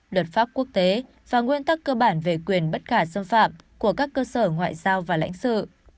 luật pháp quốc tế và nguyên tắc cơ bản về quyền bất khả xâm phạm của các cơ sở ngoại giao và lãnh sự